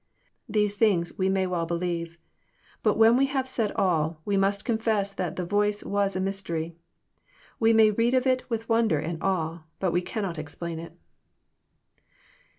These things we may well believe. But when we have said all, we must confess that the Voice was a mystery. We may read of it with wonder and awe, but we cannot explain it.